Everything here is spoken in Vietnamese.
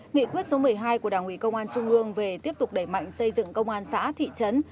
nghị quyết số một mươi hai của đảng ủy công an trung ương về tiếp tục đẩy mạnh xây dựng công an xã thị trấn